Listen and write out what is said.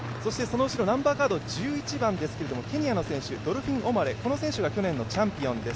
そのあと１１番ですけども、ケニアの選手、ドルフィン・オマレ、この選手が去年のチャンピオンです。